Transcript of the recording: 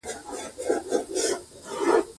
ازادي راډیو د تعلیم کیسې وړاندې کړي.